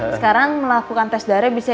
sekarang melakukan tes darah bisa